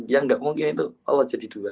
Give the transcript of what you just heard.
yang gak mungkin itu allah jadi doa